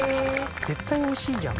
絶対においしいじゃん。